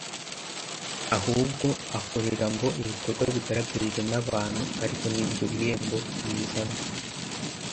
ahubwo akorera ngo ibikorwa bigaragarire n’abantu ariko nibyo bihembo bizamo